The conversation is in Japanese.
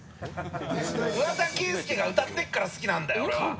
桑田佳祐が歌ってるから好きなんだよ！